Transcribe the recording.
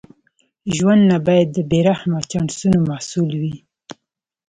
ژوند نه باید د بې رحمه چانسونو محصول وي.